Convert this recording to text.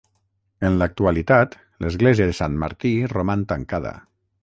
En l'actualitat l'església de Sant Martí roman tancada.